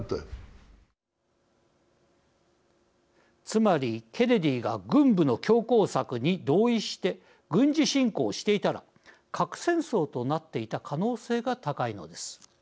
つまりケネディが軍部の強硬策に同意して軍事侵攻していたら核戦争となっていた可能性が高いのです。